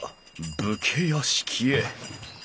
武家屋敷へ。